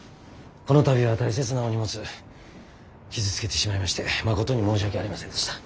この度は大切なお荷物傷つけてしまいましてまことに申し訳ありませんでした。